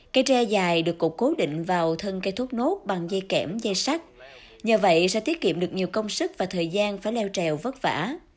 cây tre dài được cột cố định vào thân cây thốt nốt bằng dây kẽm dây sắt nhờ vậy sẽ tiết kiệm được nhiều công sức và thời gian phải leo trèo vất vả